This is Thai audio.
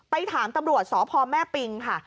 ถามตำรวจสพแม่ปิงค่ะ